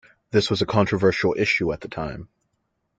This was a controversial issue at the time.